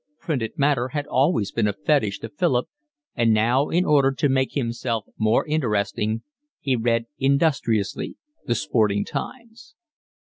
Printed matter had always been a fetish to Philip, and now, in order to make himself more interesting, he read industriously The Sporting Times.